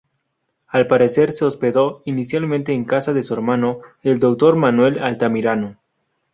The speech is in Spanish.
Al parecer, se hospedó inicialmente en casa de su hermano, el doctor Manuel Altamirano.